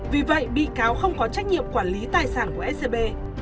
vì vậy bị cáo không có trách nhiệm quản lý tài sản của scb